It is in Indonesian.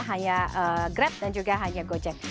hanya grab dan juga hanya gojek